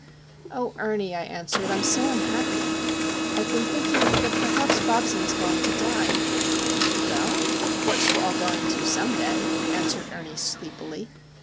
"Oh, Ernie," I answered. "I'm so unhappy! I've been thinking that perhaps Bobsie is going to die." "Well, of course we're all going to some day," answered Ernie, sleepily.